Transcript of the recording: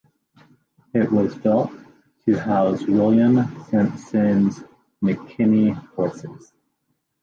It was built to house William Simpson's "McKinney" horses.